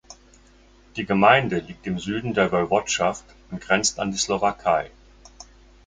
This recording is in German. Die Gemeinde liegt im Süden der Woiwodschaft und grenzt an die Slowakei.